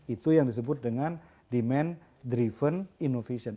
itu yang disebut dengan demand driven innovation